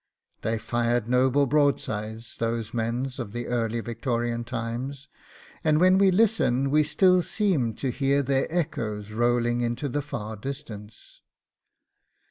They fired noble broadsides those men of the early Victorian times, and when we listen we still seem to hear their echoes rolling into the far distance.